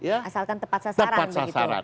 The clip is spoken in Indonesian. asalkan tepat sasaran